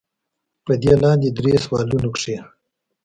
پۀ دې لاندې درې سوالونو کښې